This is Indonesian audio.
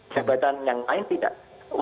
jabatan yang lain tidak